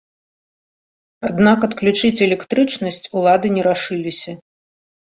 Аднак адключыць электрычнасць улады не рашыліся.